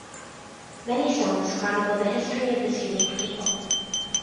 Many songs chronicle the history of this unique people.